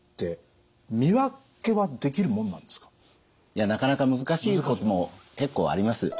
いやなかなか難しいことも結構あります。